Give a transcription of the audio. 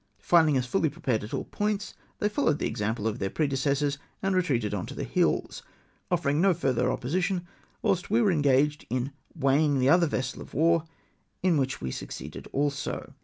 Finding us fully prepared at all points, they followed the example of their predecessors, and retreated to the hills, offering no further opposition, whilst we were engaged in weighing the other vessel of war, in wliich we succeeded also.